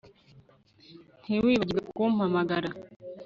Ntiwibagirwe kumpamagara